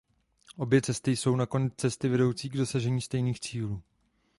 Obě cesty jsou nakonec cesty vedoucí k dosažení stejných cílů.